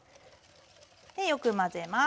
よく混ぜます。